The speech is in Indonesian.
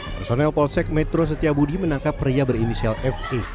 personel polsek metro setiabudi menangkap pria berinisial fa